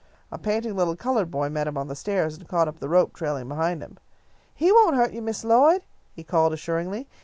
A panting little coloured boy met him on the stairs and caught up the rope trailing behind him. "He won't hurt you, Miss Lloyd," he called, assuringly.